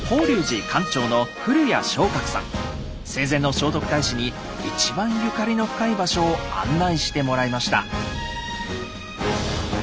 生前の聖徳太子に一番ゆかりの深い場所を案内してもらいました。